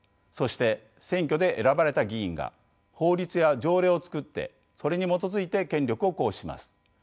そして選挙で選ばれた議員が法律や条例を作ってそれに基づいて権力を行使します。